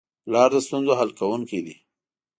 پلار د ستونزو حل کوونکی دی.